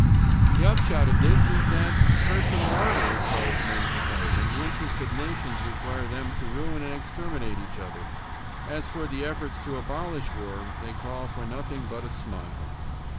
The upshot of this is that personal honor requires men to fight, and the interests of nations require them to ruin and exterminate each other. As for the efforts to abolish war, they call for nothing but a smile.